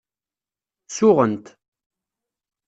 Suɣent.